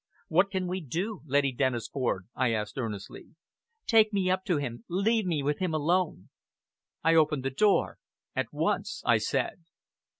"What can we do, Lady Dennisford?" I asked earnestly. "Take me up to him. Leave me with him alone." I opened the door. "At once!" I said.